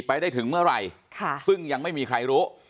ได้ถึงเมื่อไหร่ซึ่งยังไม่มีใครรู้